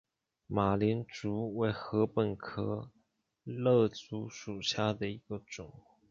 马岭竹为禾本科簕竹属下的一个种。